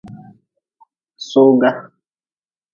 Soga.